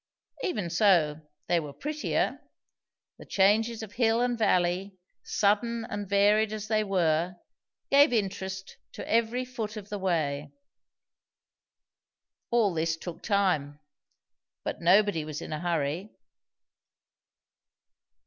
Even so, they were prettier; the changes of hill and valley, sudden and varied as they were, gave interest to every foot of the way. All this took time; but nobody was in a hurry.